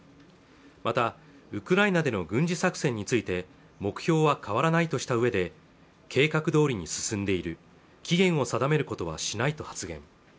またウクライナでの軍事作戦について目標は変わらないとしたうえで計画どおりに進んでいる期限を定めることはしないと発言